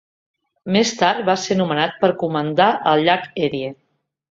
Més tard va ser nomenat per comandar al llac Erie.